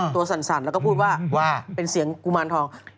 สั่นแล้วก็พูดว่าว่าเป็นเสียงกุมารทอง